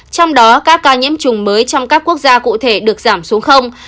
trong đó các ca nhiễm trùng mới trong các quốc gia cụ thể được giảm xuống